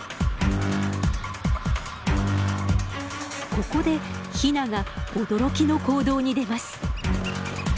ここでヒナが驚きの行動に出ます。